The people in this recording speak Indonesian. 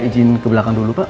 izin ke belakang dulu pak